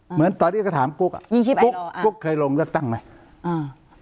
เหมือนตอนนี้ก็ถามกุ๊กกุ๊กเคยลงเลือกตั้งไหม